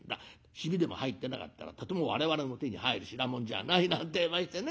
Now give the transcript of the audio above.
ヒビでも入ってなかったらとても我々の手に入る品物じゃない』なんてえましてね。